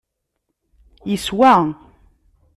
Yeswa.